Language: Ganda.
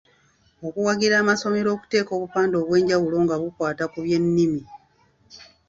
Okuwagira amasomero okuteeka obupande obwenjawulo nga bukwata ku by'ennimi.